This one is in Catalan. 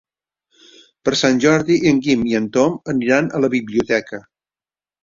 Per Sant Jordi en Guim i en Tom aniran a la biblioteca.